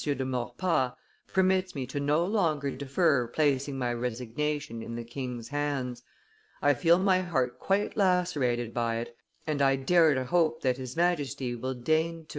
de Maurepas permits me to no longer defer placing my resignation in the king's hands. I feel my heart quite lacerated by it, and I dare to hope that his Majesty will deign to.